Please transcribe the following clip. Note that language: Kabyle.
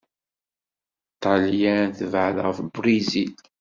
Ṭṭalyan tebɛed ɣef Brizil.